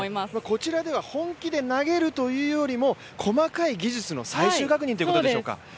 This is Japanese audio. こちらでは本気で投げるというよりも、細かい技術の最終確認ということでしょうか？